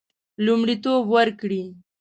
لومړیتوب ورکړي.